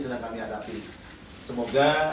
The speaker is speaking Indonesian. sedang kami hadapi semoga